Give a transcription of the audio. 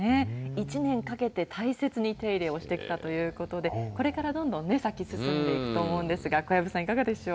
１年かけて大切に手入れをしてきたということで、これからどんどんね、咲き進んでいくと思うんですが、小籔さん、いかがでしょう。